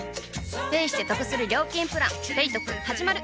ペイしてトクする料金プラン「ペイトク」始まる！